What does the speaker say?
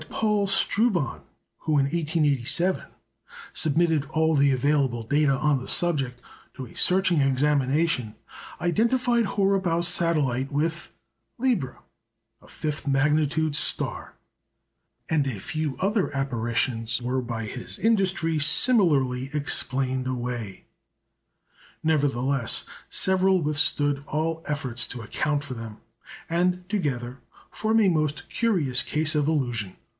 Paul Stroobant, who in 1887 submitted all the available data on the subject to a searching examination, identified Horrebow's satellite with Theta Libræ, a fifth magnitude star; and a few other apparitions were, by his industry, similarly explained away. Nevertheless, several withstood all efforts to account for them, and together form a most curious case of illusion.